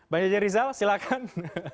bang jj rizal silahkan